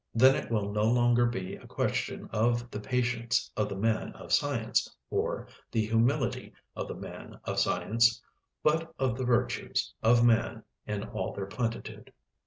Then it will no longer be a question of the "patience of the man of science," or the "humility of the man of science," but of the virtues of man in all their plenitude.